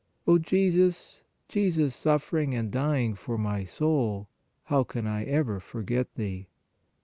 " O Jesus, Jesus suffering and dying for my soul, how can I ever forget Thee